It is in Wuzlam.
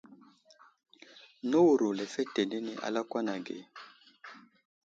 Newuro lefetenene a lakwan age daw.